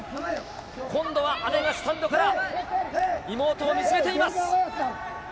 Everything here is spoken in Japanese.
今度は姉がスタンドから妹を見つめています。